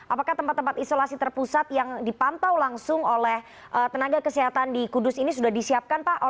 apakah tempat tempat isolasi terpusat yang dipantau langsung oleh tenaga kesehatan di kudus ini sudah disiapkan pak